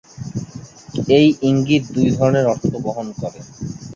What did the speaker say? এই ইঙ্গিত দুই ধরনের অর্থ বহন করে।